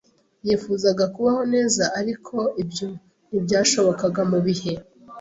Yifuzaga kubaho neza, ariko ibyo ntibyashobokaga mu bihe.